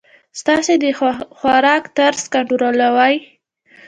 ستاسي د خوراک طرز کنټرولوی.